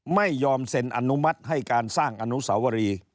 ไม่ยอมเซ็นอนุมัติให้การสร้างอนุสาวรี